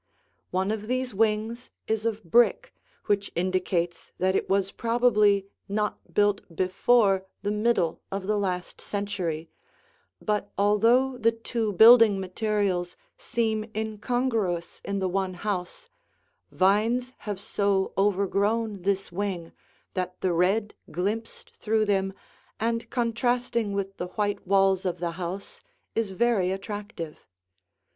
One of these wings is of brick, which indicates that it was probably not built before the middle of the last century, but although the two building materials seem incongruous in the one house, vines have so overgrown this wing that the red glimpsed through them and contrasting with the white walls of the house is very attractive.